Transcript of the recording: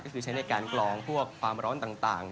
ก็คือใช้ในการกลองพวกความร้อนต่าง